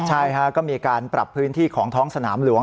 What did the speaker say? ใช่ฮะก็มีการปรับพื้นที่ของท้องสนามหลวง